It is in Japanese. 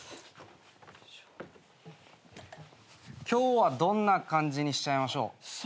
今日はどんな感じにしちゃいましょう？